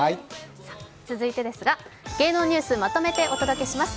続いて芸能ニュースまとめてお伝えします。